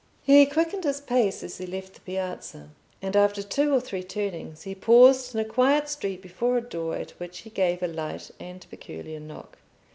He quickened his pace as he left the Piazza, and after two or three turnings he paused in a quiet street before a door at which he gave a light and peculiar knock.